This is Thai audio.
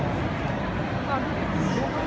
มีโครงการทุกทีใช่ไหม